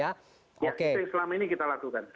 ya itu yang selama ini kita lakukan